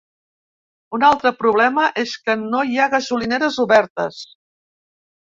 Un altre problema és que no hi ha gasolineres obertes.